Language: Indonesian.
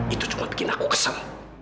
itu cuma bikin aku kesel